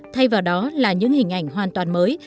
thay vào đó là những hình ảnh hoàn toàn mới